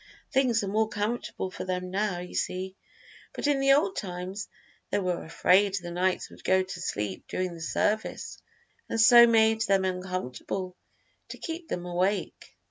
Things are more comfortable for them now, you see, but in the old times they were afraid the knights would go to sleep during the service, and so made them uncomfortable to keep them awake."